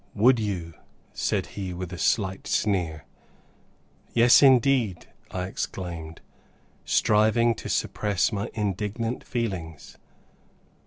"Would you?" said he, with a slight sneer. "Yes indeed," I exclaimed, striving to suppress my indignant feelings.